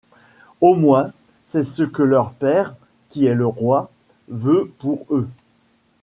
Au moins c'est ce que leur père, qui est le roi, veut pour eux.